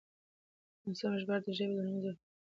ناسمه ژباړه د ژبې د له منځه تللو لامل ګرځي.